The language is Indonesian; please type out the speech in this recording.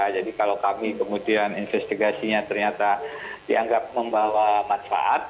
jadi kalau kami kemudian investigasinya ternyata dianggap membawa manfaat